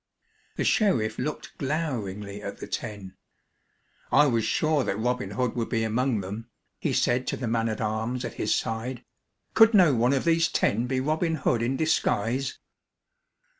The sheriff looked gloweringly at the ten. "I was sure that Robin Hood would be among them," he said to the man at arms at his side. "Could no one of these ten be Robin Hood in disguise?"